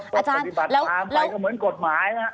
ปฏิบัติฐานกลายคือเหมือนกฎหมาย